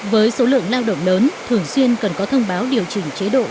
với số lượng lao động lớn thường xuyên cần có thông báo điều chỉnh chế độ